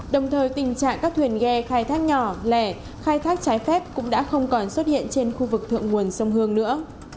đồng thời tình trạng các thuyền ghe khai thác nhỏ lẻ khai thác trái phép cũng đã không còn xuất hiện trên khu vực thượng nguồn sông hương nữa